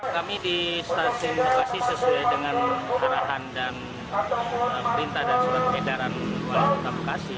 kami di stasiun bekasi sesuai dengan arahan dan perintah dan surat edaran wali kota bekasi